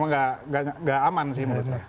memang enggak aman sih menurut saya